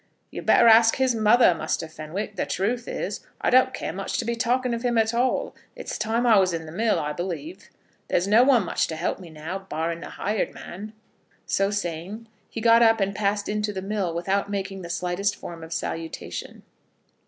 "You'd better ax his mother, Muster Fenwick. The truth is, I don't care much to be talking of him at all. It's time I was in the mill, I believe. There's no one much to help me now, barring the hired man." So saying, he got up and passed into the mill without making the slightest form of salutation.